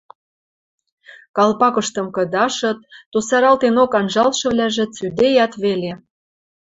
калпакыштым кыдашыт, тусаралтенок анжалшывлӓжӹ цӱдейӓт веле.